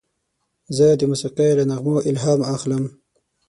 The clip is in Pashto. زه د موسیقۍ له نغمو الهام اخلم.